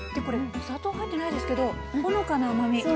これお砂糖入ってないですけどほのかな甘み。